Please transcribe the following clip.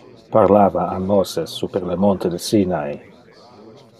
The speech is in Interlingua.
parlava a Moses super le monte de Sinai.